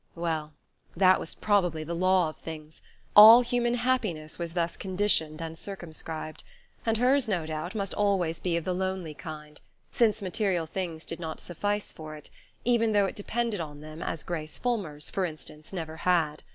Well, that was probably the law of things. All human happiness was thus conditioned and circumscribed, and hers, no doubt, must always be of the lonely kind, since material things did not suffice for it, even though it depended on them as Grace Fulmer's, for instance, never had.